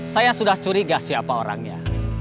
saya sudah curiga siapa orangnya